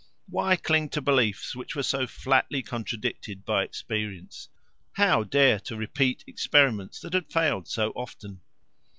Why cling to beliefs which were so flatly contradicted by experience? How dare to repeat experiments that had failed so often?